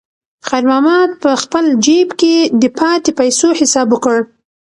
خیر محمد په خپل جېب کې د پاتې پیسو حساب وکړ.